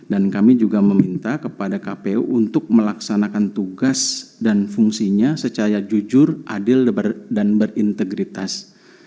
dan kami juga meminta kepada kpu untuk melaksanakan tugas dan fungsinya secara jujur adil dan berintegritas